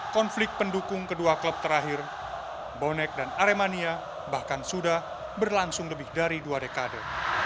konflik pendukung kedua klub terakhir bonek dan aremania bahkan sudah berlangsung lebih dari dua dekade